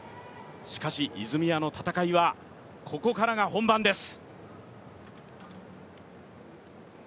しかし泉谷の戦いはここからが本番です。